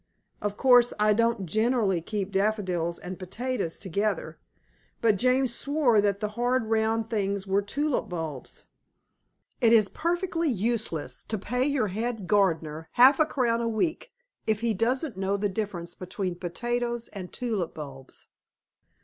Of course I don't generally keep daffodils and potatoes together; but James swore that the hard round things were tulip bulbs. It is perfectly useless to pay your head gardener half a crown a week if he doesn't know the difference between potatoes and tulip bulbs.